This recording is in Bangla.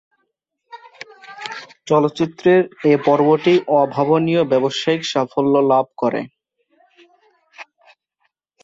চলচ্চিত্রের এ পর্বটি অভাবনীয় ব্যবসায়িক সাফল্য লাভ করে।